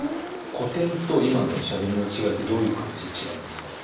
古典と今のしゃべりの違いってどういう感じで違うんですか？